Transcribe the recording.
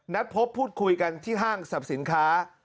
พบพูดคุยกันที่ห้างสรรพสินค้า